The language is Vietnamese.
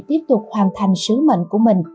tiếp tục hoàn thành sứ mệnh của mình